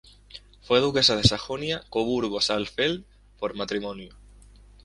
Fue Duquesa de Sajonia-Coburgo-Saalfeld por matrimonio.